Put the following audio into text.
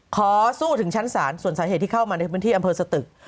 ขอสู้ถึงชั้นศาลส่วนสาเหตุที่เข้ามาในพื้นที่อำเภอสตึก